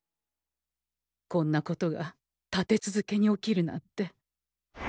こんなことが立て続けに起きるなんて。